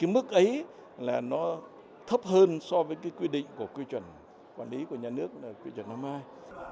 mức ấy thấp hơn so với quy định của quy chuẩn quản lý của nhà nước quy chuẩn năm mai